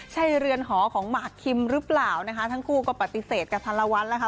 ใช่เรือนหอของหมากคิมหรือเปล่านะคะทั้งคู่ก็ปฏิเสธกับพันละวันแล้วค่ะ